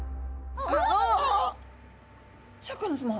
シャーク香音さま。